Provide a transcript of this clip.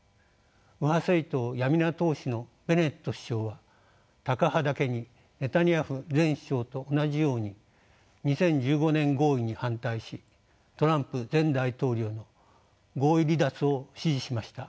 右派政党「ヤミナ」党首のベネット首相はタカ派だけにネタニヤフ前首相と同じように２０１５年合意に反対しトランプ前大統領の合意離脱を支持しました。